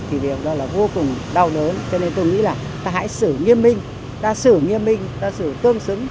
thì điều đó là vô cùng đau lớn cho nên tôi nghĩ là ta hãy xử nghiêm minh ta xử nghiêm minh ta xử tương xứng